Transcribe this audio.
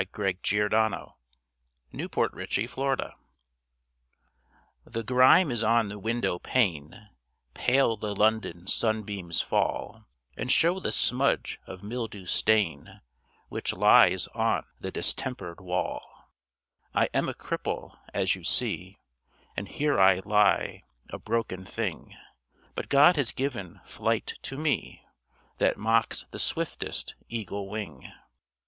II. PHILOSOPHIC VERSES COMPENSATION The grime is on the window pane, Pale the London sunbeams fall, And show the smudge of mildew stain, Which lies on the distempered wall. I am a cripple, as you see, And here I lie, a broken thing, But God has given flight to me, That mocks the swiftest eagle wing.